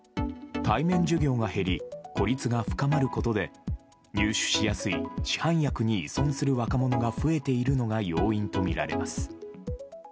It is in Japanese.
対面授業が減り、孤立が深まることで、入手しやすい市販薬に依存する若者が増えているのが要因と見られます。